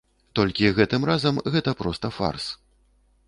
Толькі гэтым разам гэта проста фарс.